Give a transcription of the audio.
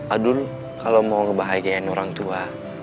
aduh kalau mau ngebahagiain orang tua